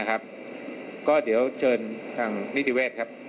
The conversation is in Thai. นะครับก็เดี๋ยวเชิญทางนิจริเวศครับ